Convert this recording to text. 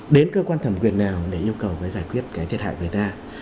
đến cơ quan thẩm quyền nào để yêu cầu giải quyết cái thiệt hại của người ta